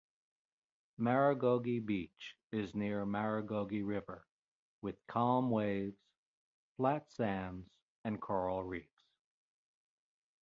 Maragogi beach is near Maragogi River, with calm waves, flat sands and coral reefs.